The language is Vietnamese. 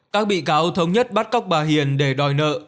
các bị cáo thống nhất bắt cóc bà hiền để đòi nợ